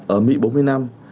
ở mỹ bốn mươi năm